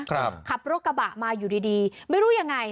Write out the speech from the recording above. ขับรถกระบะมาอยู่ดีดีไม่รู้ยังไง